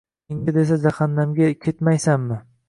Menga desa jahannamga ketmaysanmi